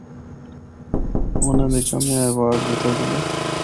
انہاں دے کمے آں ایوارڈ دتا جلے۔